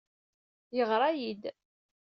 Yeɣra-iyi-d.